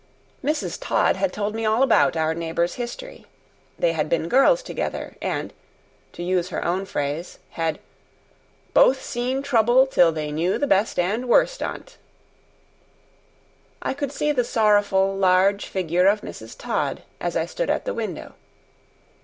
Mrs. Todd had told me all our neighbor's history. They had been girls together, and, to use her own phrase, had "both seen trouble till they knew the best and worst on 't." I could see the sorrowful, large figure of Mrs. Todd as I stood at the window.